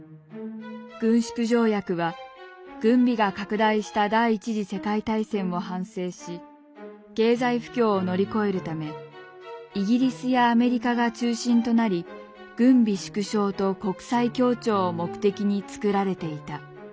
軍縮条約は軍備が拡大した第一次世界大戦を反省し経済不況を乗り越えるためイギリスやアメリカが中心となり軍備縮小と国際協調を目的に作られていた。